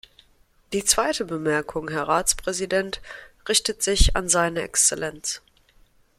Die zweite Bemerkung, Herr Ratspräsident, richtet sich an Seine Exzellenz.